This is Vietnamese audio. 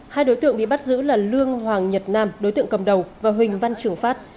hai đối tượng bị bắt giữ là lương hoàng nhật nam đối tượng cầm đầu và huỳnh văn trường phát